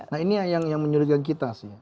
nah ini yang menyuruhkan kita sih